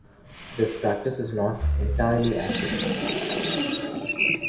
This practice is not entirely accurate.